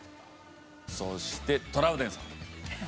そしてトラウデンさん。